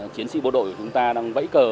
chiến sĩ bộ đội chúng ta đang vẫy cờ